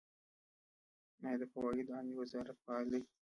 آیا د فواید عامې وزارت فعال دی؟